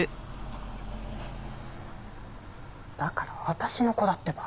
だから私の子だってば。